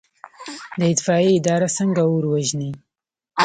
د اطفائیې اداره څنګه اور وژني؟